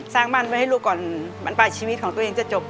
สร้างบ้านไว้ให้ลูกก่อนบรรปลายชีวิตของตัวเองจะจบ